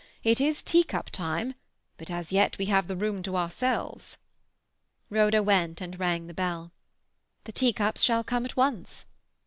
It is teacup time, but as yet we have the room to ourselves." Rhoda went and rang the bell. "The teacups shall come at once."